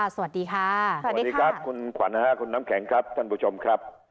สวัสดีค่ะสวัสดีครับคุณขวัญคุณน้ำแข็งครับท่านผู้ชมครับ